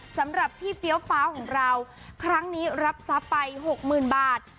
สำหรับพี่เฟี้ยวฟ้าวของเราครั้งนี้รับทรัพย์ไป๖๐๐๐บาท